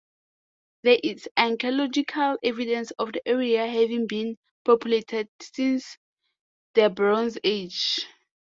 There is archaeological evidence of the area having been populated since the Bronze Age.